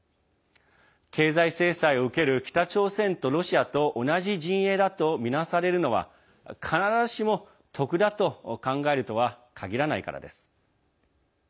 経済制裁を受ける北朝鮮とロシアと同じ陣営だとみなされるのは必ずしも得だと考えるとは限らないからです。